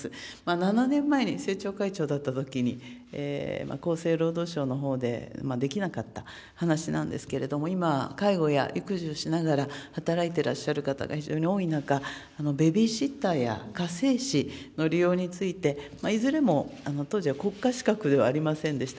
７年前に政調会長だったときに、厚生労働省のほうでできなかった話なんですけれども、今、介護や育児をしながら、働いてらっしゃる方が非常に多い中、ベビーシッターや家政師の利用について、いずれも、当時は国家資格ではありませんでした。